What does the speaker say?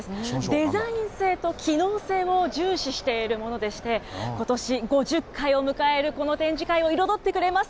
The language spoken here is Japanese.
デザイン性と機能性を重視しているものでして、ことし５０回を迎えるこの展示会を彩ってくれます。